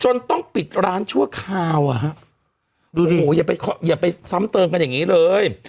ต้องปิดร้านชั่วคราวอ่ะฮะโอ้โหอย่าไปอย่าไปซ้ำเติมกันอย่างนี้เลย